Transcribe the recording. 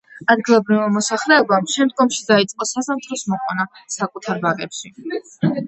ადგილობრივმა მოსახლეობამ შემდგომში დაიწყო საზამთროს მოყვანა საკუთარ ბაღებში.